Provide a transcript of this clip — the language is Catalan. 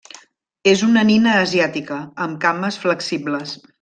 És una nina asiàtica, amb cames flexibles.